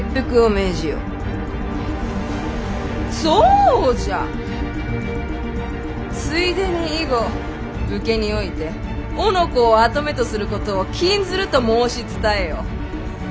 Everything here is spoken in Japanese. そうじゃついでに以後武家において男子を跡目とすることを禁ずると申し伝えよ！